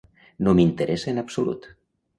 No m'interessa en absolut.